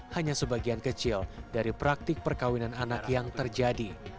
hanya sebagian kecil dari praktik perkawinan anak yang terjadi